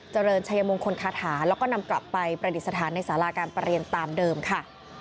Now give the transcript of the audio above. เจริญชัยมงคลคาถาแล้วก็นำกลับไปประดิษฐานในสาราการประเรียนตามเดิมค่ะ